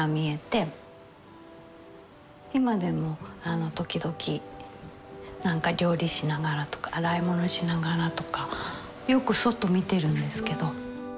今でも時々なんか料理しながらとか洗い物しながらとかよく外見てるんですけど。